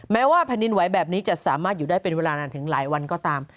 แม้ว่าแผ่นดินไหวแบบนี้จะสามารถอยู่ได้เป็นเวลานานถึงหลายวันก็ตาม